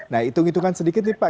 nah itung itungan sedikit nih pak